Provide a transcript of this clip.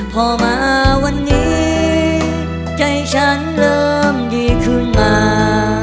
พอมาวันนี้ใจฉันเริ่มดีขึ้นมา